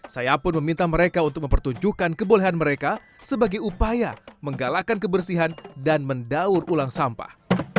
saya pun meminta mereka untuk mempertunjukkan kebolehan mereka sebagai upaya menggalakkan kebersihan dan mendaur ulang sampah